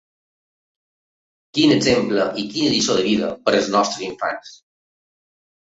Quin exemple i quina lliçó de vida per als nostres infants.